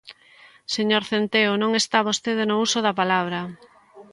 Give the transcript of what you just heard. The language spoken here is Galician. Señor Centeo, ¡non está vostede no uso da palabra!